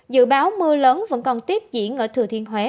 dự báo mưa lớn vẫn còn tiếp diễn ở thừa thiên huế